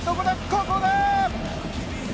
ここだ！